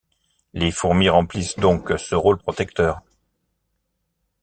Les fourmis remplissent donc ce rôle protecteur.